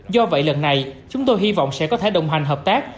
do vậy lần này chúng tôi hy vọng sẽ có thể đồng hành hợp tác